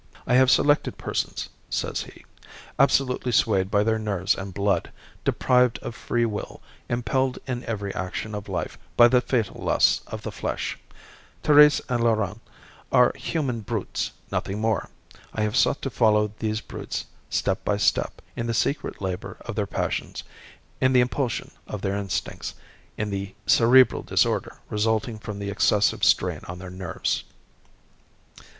"I have selected persons," says he, "absolutely swayed by their nerves and blood, deprived of free will, impelled in every action of life, by the fatal lusts of the flesh. Thérèse and Laurent are human brutes, nothing more. I have sought to follow these brutes, step by step, in the secret labour of their passions, in the impulsion of their instincts, in the cerebral disorder resulting from the excessive strain on their nerves."